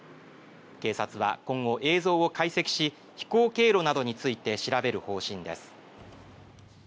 警察は今後、映像を解析し飛行経路などについて調べる方針です。